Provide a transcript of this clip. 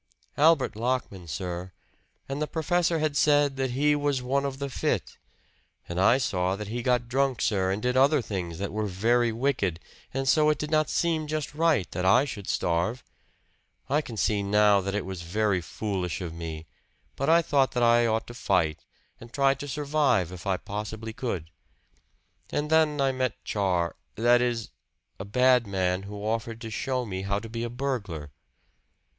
"Albert Lockman, sir. And the professor had said that he was one of the fit; and I saw that he got drunk, sir, and did other things that were very wicked, and so it did not seem just right that I should starve. I can see now that it was very foolish of me; but I thought that I ought to fight, and try to survive if I possibly could. And then I met Char that is, a bad man who offered to show me how to be a burglar."